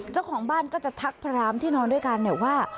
เจ้าของบ้านก็จะทักพรามที่นอนด้วยกันเนี่ยว่า